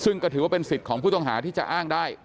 ซึ่งก็ถือว่าเป็นสิทธิ์ของผู้ต้องหาที่จะอ้างได้